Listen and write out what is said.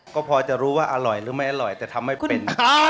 ก็พอจะรู้ว่าอร่อยหรือไม่อร่อยแต่ทำไม่เป็น